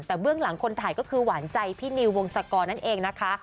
แต่เบื้องหลังคนถ่ายก็คือหวานใจพี่นิววงศกรนั่นเองนะคะ